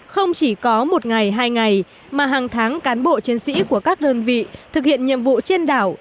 không chỉ có một ngày hai ngày mà hàng tháng cán bộ chiến sĩ của các đơn vị thực hiện nhiệm vụ trên đảo